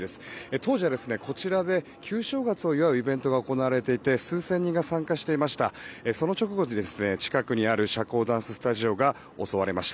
当時はこちらで旧正月を祝うイベントが行われていて数千人が参加していました。